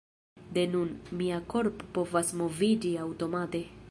De nun, mia korpo povas moviĝi aŭtomate.